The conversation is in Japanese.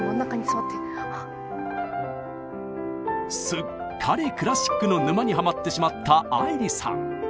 すっかりクラシックの沼にハマってしまった愛理さん。